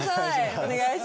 お願いします。